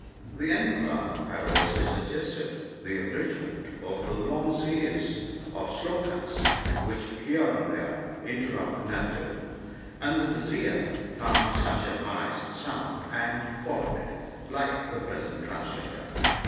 The Emperor had also sug gested the abridgment of the long series of shlokes which, here and there interrupt the narrative, and the Vizier found such advice sound, and followed it, like the present Translator.